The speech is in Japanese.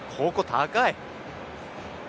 高い！